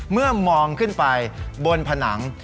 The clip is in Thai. เมื่อมองขึ้นไปบนผนัง